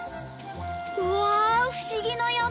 うわあ不思議な山！